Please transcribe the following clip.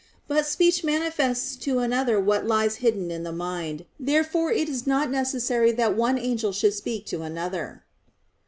But speech manifests to another what lies hidden in the mind. Therefore it is not necessary that one angel should speak to another.